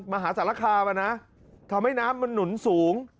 มหาสารคามทำให้น้ำมันหนุนสูง